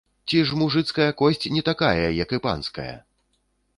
Ці ж мужыцкая косць не такая, як і панская?